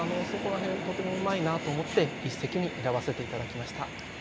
そこら辺とてもうまいなと思って一席に選ばせて頂きました。